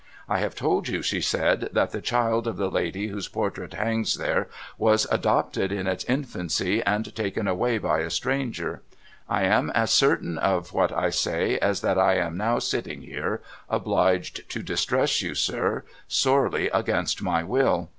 •* I have told you,' she said, ' that the child of the lady whose portrait hangs there, was adopted in its infancy, and taken away by a stranger. I am as certain of what I say as that I am now sitting here, obliged to distress you, sir, sorely against my will.